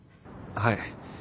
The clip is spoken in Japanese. はい。